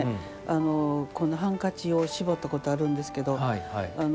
このハンカチを絞ったことあるんですけど感動したんですよ。